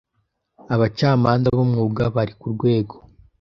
Abacamanza b umwuga bari ku rwego